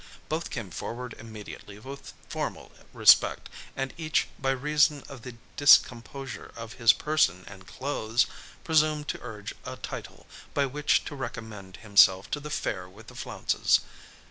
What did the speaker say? Both came forward immediately with formal respect, and each, by reason of the discomposure of his person and clothes, presumed to urge a title by which to recommend himself to the fair with the flounces.